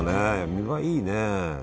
見栄えいいね。